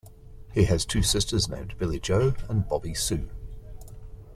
He has two sisters named Billie Joe and Bobby Sue.